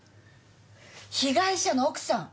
被害者の奥さん！